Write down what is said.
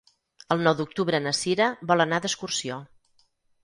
El nou d'octubre na Cira vol anar d'excursió.